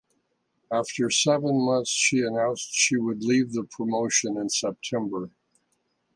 After seven months she announced she would leave the promotion in September.